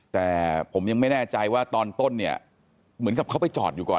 แต่ผมยังไม่แน่ใจว่าตอนต้นเนี่ยเหมือนกับเขาไปจอดอยู่ก่อน